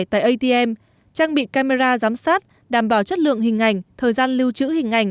tại atm trang bị camera giám sát đảm bảo chất lượng hình ảnh thời gian lưu trữ hình ảnh